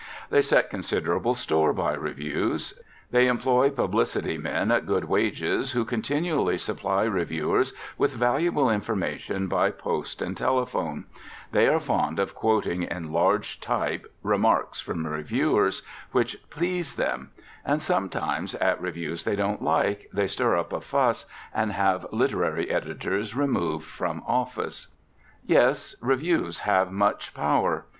They set considerable store by reviews; they employ publicity men at good wages who continually supply reviewers with valuable information by post and telephone; they are fond of quoting in large type remarks from reviews which please them; and sometimes, at reviews they don't like, they stir up a fuss and have literary editors removed from office. Yes, reviews have much power.